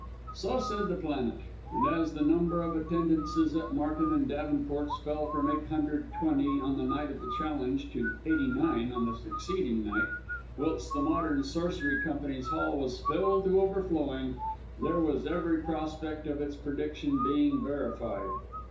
So said the Planet, and as the number of attendances at Martin and Davenports' fell from 820 on the night of the challenge to 89 on the succeeding night, whilst the Modern Sorcery Company's Hall was filled to overflowing, there was every prospect of its prediction being verified.